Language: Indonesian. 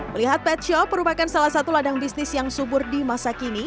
melihat pet shop merupakan salah satu ladang bisnis yang subur di masa kini